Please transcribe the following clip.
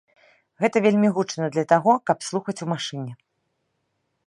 Гэта вельмі гучна для таго, каб слухаць у машыне.